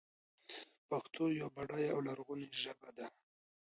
پښتو يوه بډايه او لرغونې ژبه ده.